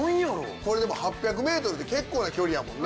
これでも８００ｍって結構な距離やもんな。